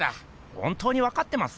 本当にわかってます？